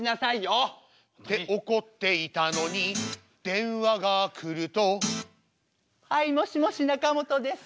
って怒っていたのに電話がくるとはいもしもしなかもとです。